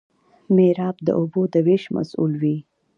میرآب د اوبو د ویش مسوول وي.